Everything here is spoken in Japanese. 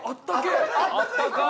あったかい？